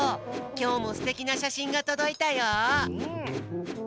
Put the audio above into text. きょうもすてきなしゃしんがとどいたよ！